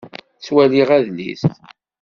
Ttwaliɣ adlis.